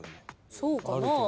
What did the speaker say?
そうかなぁ？